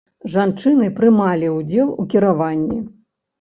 Жанчыны прымалі ўдзел у кіраванні.